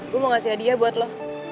gue mau ngasih hadiah buat lo